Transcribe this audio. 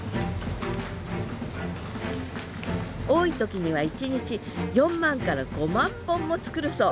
多い時には一日４万から５万本も作るそう。